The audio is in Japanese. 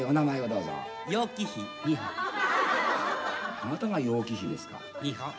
あなたが楊貴妃ですか。